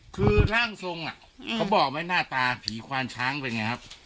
คือร่างทรงเขาบอกไหมหน้าตาผีควานช้างเป็นไงครับ